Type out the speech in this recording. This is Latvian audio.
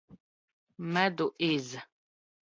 Medu iz